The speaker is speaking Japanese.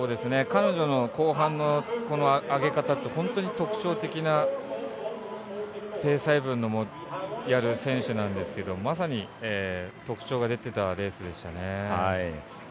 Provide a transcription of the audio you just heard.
彼女の後半の上げ方って本当に特徴的なペース配分をやる選手なんですけどまさに、特徴が出てたレースでした。